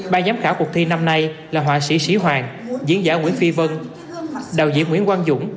ba giám khảo cuộc thi năm nay là họa sĩ sĩ hoàng diễn giả nguyễn phi vân đạo diễn nguyễn quang dũng